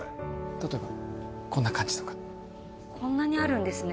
例えばこんな感じとかこんなにあるんですね